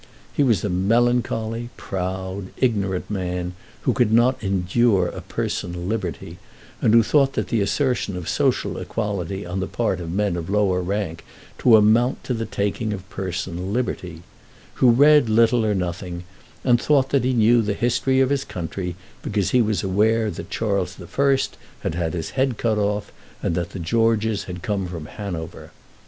He was a melancholy, proud, ignorant man, who could not endure a personal liberty, and who thought the assertion of social equality on the part of men of lower rank to amount to the taking of personal liberty; who read little or nothing, and thought that he knew the history of his country because he was aware that Charles I had had his head cut off, and that the Georges had come from Hanover.